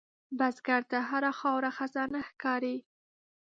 بزګر ته هره خاوره خزانه ښکاري